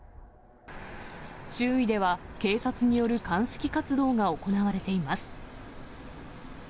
周囲では警察による鑑識活動が行われています。